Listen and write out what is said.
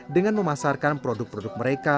dengan memasarkan produk produk mereka